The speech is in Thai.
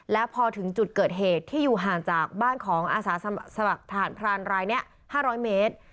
และพอถึงจุดเกิดเหตุที่อยู่ห่างจากบ้านของอาสาสมัครทหารพรานรายนี้๕๐๐เมตร